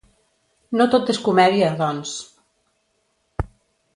No tot és comèdia, doncs.